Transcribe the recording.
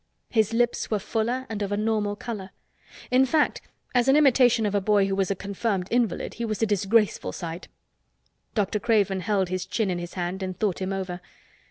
His lips were fuller and of a normal color. In fact as an imitation of a boy who was a confirmed invalid he was a disgraceful sight. Dr. Craven held his chin in his hand and thought him over.